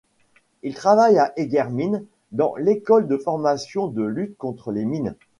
Il travaille à Eguermin, dans l'école de formation de lutte contre les mines.